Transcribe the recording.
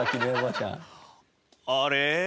あれ？